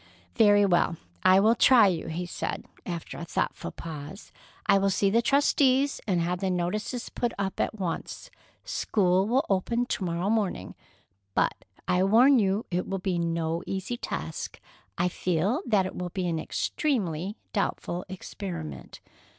"Very well, I will try you," he said, after a thoughtful pause. "I will see the trustees and have the notices put up at once. School will open to morrow morning. But I warn you it will be no easy task. I feel that it will be an extremely doubtful experiment."